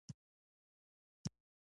نصواري ټيکری او سپين کميس يې اغوستي وو.